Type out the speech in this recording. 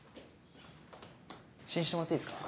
試飲してもらっていいですか？